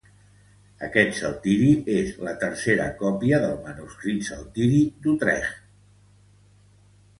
Aquest Saltiri és la tercera còpia del manuscrit Saltiri d'Utrecht.